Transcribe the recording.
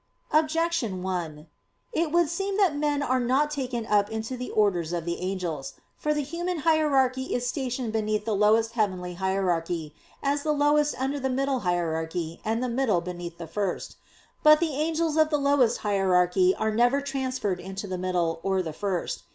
Objection 1: It would seem that men are not taken up into the orders of the angels. For the human hierarchy is stationed beneath the lowest heavenly hierarchy, as the lowest under the middle hierarchy and the middle beneath the first. But the angels of the lowest hierarchy are never transferred into the middle, or the first.